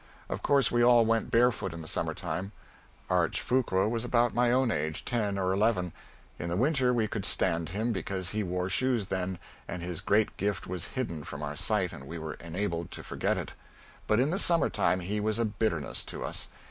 Of course we all went barefoot in the summer time. Arch Fuqua was about my own age ten or eleven. In the winter we could stand him, because he wore shoes then, and his great gift was hidden from our sight and we were enabled to forget it. But in the summer time he was a bitterness to us.